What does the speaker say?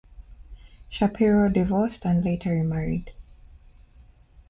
Shapiro divorced and later remarried.